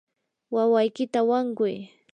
wawaykita wankuy.